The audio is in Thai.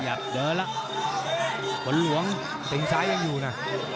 หวันหลวงเต็มซ้ายังอยู่น่ะ